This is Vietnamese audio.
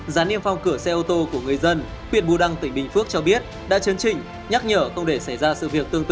gián niêm phong cửa xe ô tô của người dân huyện bù đăng tỉnh bình phước cho biết đã chấn chỉnh nhắc nhở không để xảy ra sự việc tương tự